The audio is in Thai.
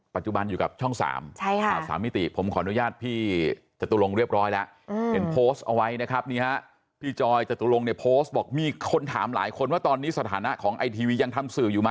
ปัจจุบันอยู่กับช่องสาม